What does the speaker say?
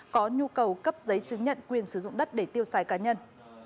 có nhu cầu cấp giấy chứng nhận quyền sử dụng đất để tiêu xài cá nhân